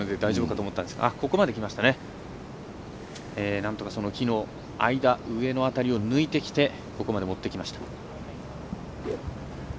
なんとか木の間上の辺りを抜いてここまで持ってきました。